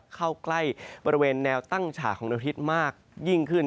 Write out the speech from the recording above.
เข้าใกล้แนวตั้งฉากของนักวิทยศมากยิ่งขึ้น